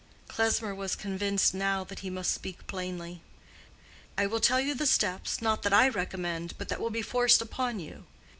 Klesmer was convinced now that he must speak plainly. "I will tell you the steps, not that I recommend, but that will be forced upon you.